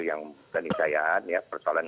yang pening sayaan ya persoalan